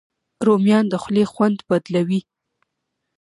رومیان د خولې خوند بدلوي